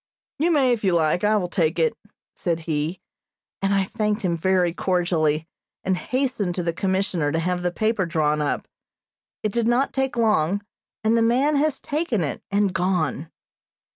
"You may if you like. I will take it," said he; and I thanked him very cordially, and hastened to the Commissioner to have the paper drawn up. It did not take long, and the man has taken it, and gone.